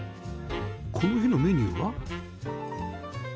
この日のメニューは？